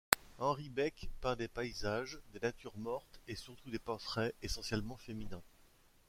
Henri Beecke peint des paysages, des natures mortes et surtout des portraits essentiellement féminins.